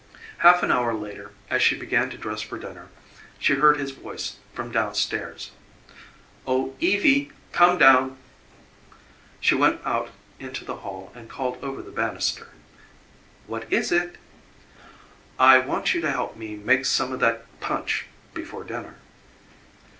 Half an hour later, as she began to dress for dinner, she heard his voice from down stairs. "Oh, Evie, come down!" She went out into the hall and called over the banister: "What is it?" "I want you to help me make some of that punch before dinner."